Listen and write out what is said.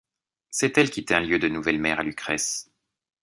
C'est elle qui tient lieu de nouvelle mère à Lucrèce.